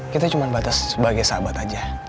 kita cuma batas sebagai sahabat aja